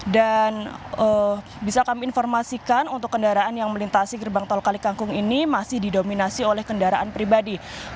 dan bisa kami informasikan untuk kendaraan yang melintasi gerbang tol kalikangkung ini masih didominasi oleh kendaraan pribadi